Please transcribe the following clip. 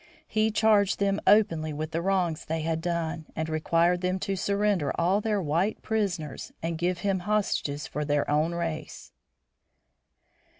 He charged them openly with the wrongs they had done, and required them to surrender all their white prisoners and give him hostages from their own race.